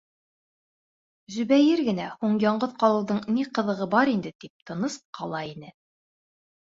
Зөбәйер генә, һуң яңғыҙ ҡалыуҙың ни ҡыҙығы бар инде, тип тыныс ҡала ине.